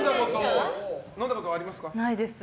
飲んだことはありますか？